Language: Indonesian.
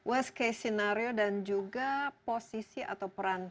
worst case scenario dan juga posisi atau peran